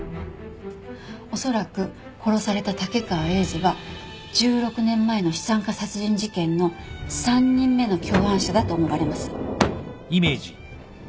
おそらく殺された竹川栄二は１６年前の資産家殺人事件の３人目の共犯者だと思われます。